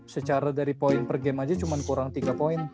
secara dari poin per game aja cuma kurang tiga poin